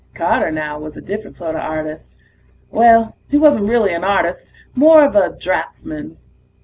Carter, now, was a different sorta artist. Well, he wasn't really an artist more of a draftsman.